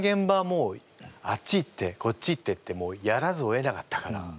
もうあっち行ってこっち行ってってもうやらざるをえなかったから。